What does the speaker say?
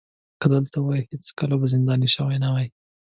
که دلته وای هېڅکله به زنداني شوی نه وای.